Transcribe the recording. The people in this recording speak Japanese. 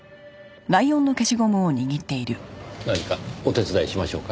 何かお手伝いしましょうか？